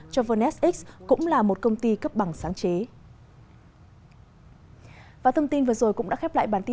cho vernes x cũng là một công ty cấp bằng sáng chế